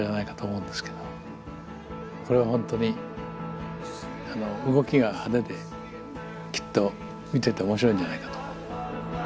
これは本当に動きが派手できっと見てて面白いんじゃないかと思う。